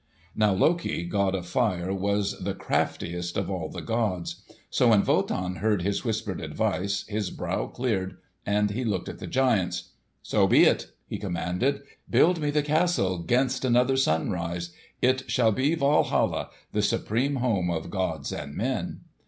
Now Loki, god of fire, was the craftiest of all the gods. So when Wotan heard his whispered advice his brow cleared, and he looked at the giants. "So be it!" he commanded. "Build me the castle 'gainst another sunrise. It shall be Walhalla—the supreme home of gods and men."